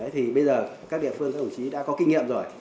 thì bây giờ các địa phương các đồng chí đã có kinh nghiệm rồi